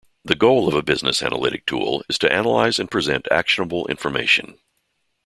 The goal of a business analytic tool is to analyze and present actionable information.